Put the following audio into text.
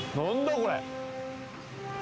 これ。